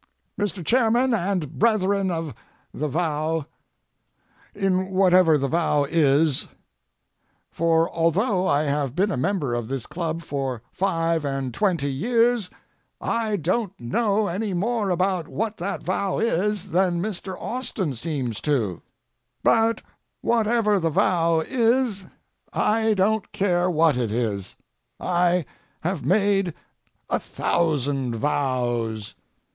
MR. CHAIRMAN AND BRETHREN OF THE VOW—in whatever the vow is; for although I have been a member of this club for five and twenty years, I don't know any more about what that vow is than Mr. Austin seems to. But what ever the vow is, I don't care what it is. I have made a thousand vows.